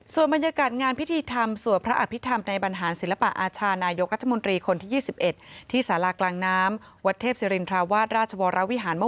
ส่วนบรรยากาศงานพิธีธรรมส่วนพระอภิษฐรรมในบรรหารศิลปาอาชา